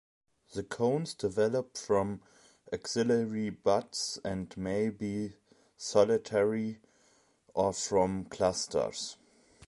The cones develop from axillary buds and may be solitary or form clusters.